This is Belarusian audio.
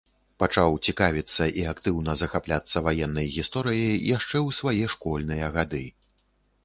Пачаў цікавіцца і актыўна захапляцца ваеннай гісторыяй яшчэ ў свае школьныя гады.